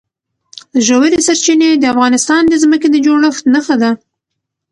ژورې سرچینې د افغانستان د ځمکې د جوړښت نښه ده.